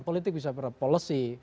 politik bisa berpolisi